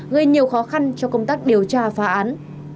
gây nhiều khó khăn cho công tác điều tra phá án